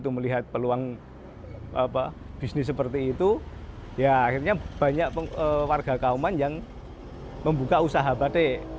melihat peluang bisnis seperti itu ya akhirnya banyak warga kauman yang membuka usaha batik